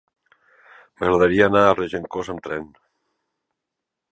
M'agradaria anar a Regencós amb tren.